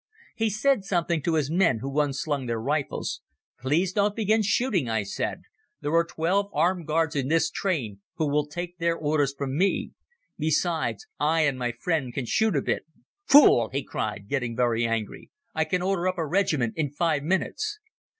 He said something to his men, who unslung their rifles. "Please don't begin shooting," I said. "There are twelve armed guards in this train who will take their orders from me. Besides, I and my friend can shoot a bit." "Fool!" he cried, getting very angry. "I can order up a regiment in five minutes."